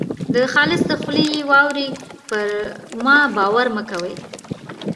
د خالص له خولې یې واورۍ پر ما باور مه کوئ.